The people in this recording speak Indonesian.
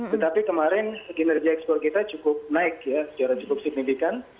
tetapi kemarin kinerja ekspor kita cukup naik ya secara cukup signifikan